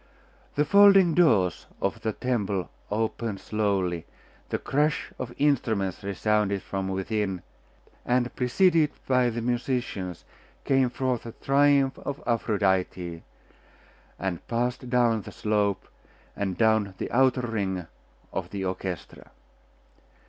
The folding doors of the temple opened slowly, the crash of instruments resounded from within; and, preceded by the musicians, came forth the triumph of Aphrodite, and passed down the slope, and down the outer ring of the orchestra.